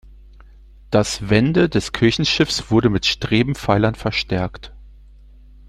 Das Wände des Kirchenschiffs wurden mit Strebepfeilern verstärkt.